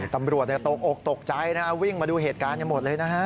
ตำรวจตกอกตกใจนะฮะวิ่งมาดูเหตุการณ์กันหมดเลยนะฮะ